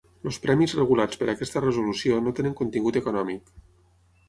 Els premis regulats per aquesta Resolució no tenen contingut econòmic.